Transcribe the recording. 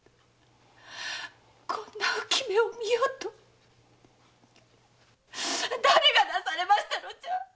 こんな憂目を見ようとはだれがなされましたのじゃ！